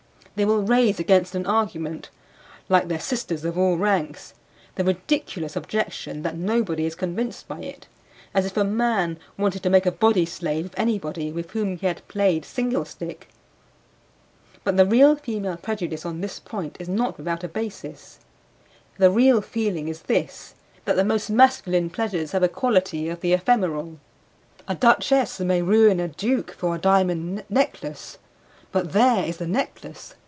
They will raise against an argument (like their sisters of all ranks) the ridiculous objection that nobody is convinced by it; as if a man wanted to make a body slave of anybody with whom he had played single stick. But the real female prejudice on this point is not without a basis; the real feeling is this, that the most masculine pleasures have a quality of the ephemeral. A duchess may ruin a duke for a diamond necklace; but there is the necklace.